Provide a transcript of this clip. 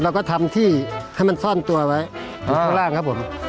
เราก็ทำที่ให้มันซ่อนตัวไว้ข้างล่างครับผม